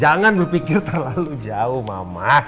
jangan berpikir terlalu jauh mama